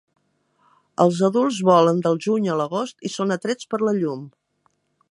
Els adults volen del juny a l'agost i són atrets per la llum.